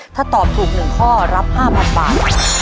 ถ้าตอบถูก๑ข้อรับ๕๐๐๐บาท